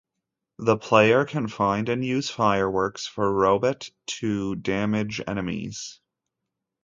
The player can find and use fireworks for Robbit to damage enemies.